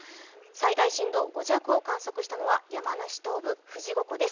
最大震度５弱を観測したのは山梨東部、富士五湖です。